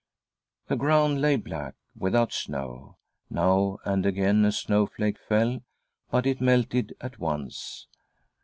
The ground lay black — without snow ; now and again a snowflake fell, but it melted at once.